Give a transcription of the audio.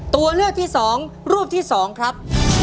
ตัวเลือกที่๒รูปที่๒ครับ